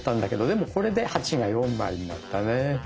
でもこれで「８」が４枚になったね。